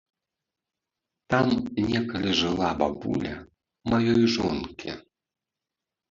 Там некалі жыла бабуля маёй жонкі.